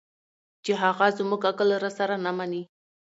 چې هغه زموږ عقل راسره نه مني